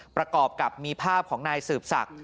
ประกอบกับมีภาพของนายสืบศักดิ์